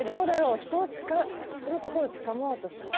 人をつか人の心をつかもうとする。